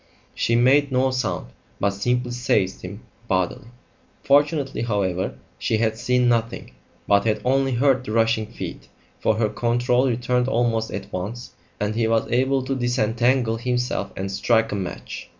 She made no sound, but simply seized him bodily. Fortunately, however, she had seen nothing, but had only heard the rushing feet, for her control returned almost at once, and he was able to disentangle himself and strike a match.